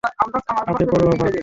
আব্বে, পড়ুয়া, ভাগ!